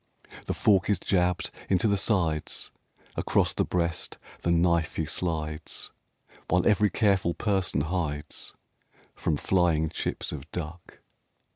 The fork is jabbed into the sides Across the breast the knife he slides While every careful person hides From flying chips of duck.